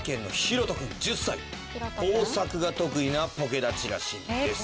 工作が得意なポケだちらしいです。